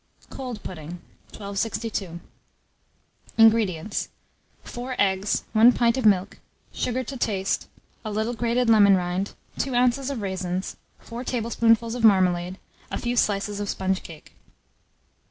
COLD PUDDING. 1262. INGREDIENTS. 4 eggs, 1 pint of milk, sugar to taste, a little grated lemon rind, 2 oz. of raisins, 4 tablespoonfuls of marmalade, a few slices of sponge cake.